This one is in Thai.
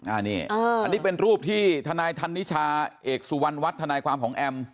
อันนี้อันนี้เป็นรูปที่ทนายธันนิชาเอกสุวรรณวัฒน์ทนายความของแอม